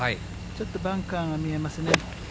ちょっとバンカーが見えますね。